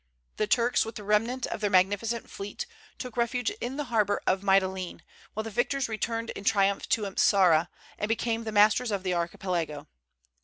The Turks, with the remnant of their magnificent fleet, took refuge in the harbor of Mitylene, while the victors returned in triumph to Ipsara, and became the masters of the Archipelago.